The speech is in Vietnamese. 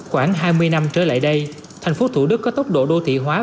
khoảng hai mươi năm trở lại đây thành phố thủ đức có tốc độ đô thị hóa